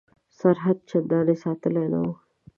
سرحد چنداني ساتلی نه وو.